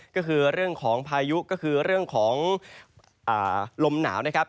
ก็คือเรื่องของพายุก็คือเรื่องของลมหนาวนะครับ